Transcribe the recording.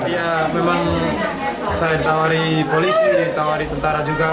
ya memang saya ditawari polisi ditawari tentara juga